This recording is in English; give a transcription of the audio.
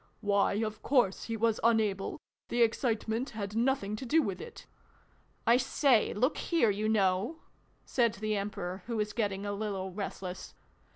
Why, of course he was unable ! The excitement had nothing to do with it !"" I say, look here, you know !" said the Emperor, who was getting a little restless.